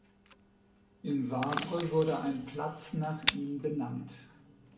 In Wavre wurde ein Platz nach ihm benannt.